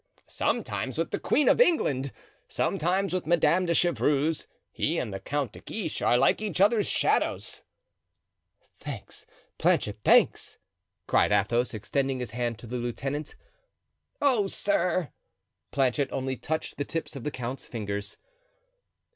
"Sometimes with the queen of England, sometimes with Madame de Chevreuse. He and the Count de Guiche are like each other's shadows." "Thanks, Planchet, thanks!" cried Athos, extending his hand to the lieutenant. "Oh, sir!" Planchet only touched the tips of the count's fingers.